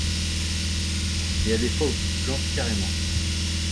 Et y’a des fois où tu te plantes carrément.